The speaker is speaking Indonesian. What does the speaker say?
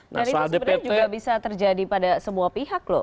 itu sebenarnya juga bisa terjadi pada semua pihak loh